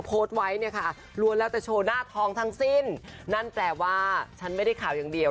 โพสต์ไว้เนี่ยค่ะล้วนแล้วแต่โชว์หน้าทองทั้งสิ้นนั่นแปลว่าฉันไม่ได้ข่าวอย่างเดียว